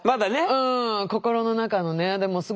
うん心の中のね。